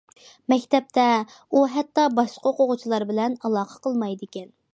مەكتەپتە، ئۇ ھەتتا باشقا ئوقۇغۇچىلار بىلەن ئالاقە قىلمايدىكەن.